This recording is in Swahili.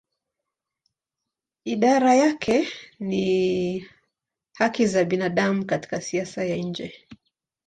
Idara yake ni haki za binadamu katika siasa ya nje.